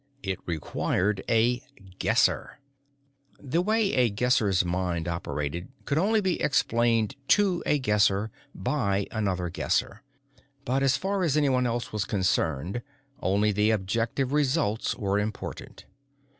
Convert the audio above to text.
It required a Guesser. The way a Guesser's mind operated could only be explained to a Guesser by another Guesser. But, as far as anyone else was concerned, only the objective results were important.